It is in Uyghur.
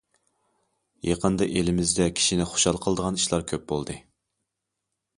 يېقىندا ئېلىمىزدە كىشىنى خۇشال قىلىدىغان ئىشلار كۆپ بولدى.